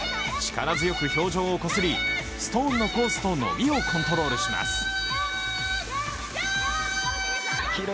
力強く氷上をこすりストーンのコースと伸びをコントロールします。